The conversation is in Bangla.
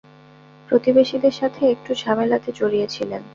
প্রতিবেশীদের সাথে একটু ঝামেলাতে জড়িয়েছিলেন।